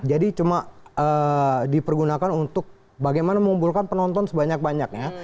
jadi cuma dipergunakan untuk bagaimana mengumpulkan penonton sebanyak banyaknya